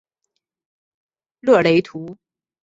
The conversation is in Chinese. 勒图雷。